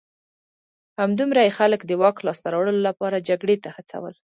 همدومره یې خلک د واک لاسته راوړلو لپاره جګړې ته هڅول